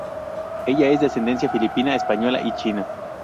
Ella es de ascendencia filipina, española y china.